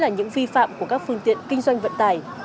những vi phạm của các phương tiện kinh doanh vận tải